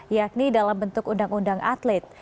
yakni dalam bentuk undang undang atlet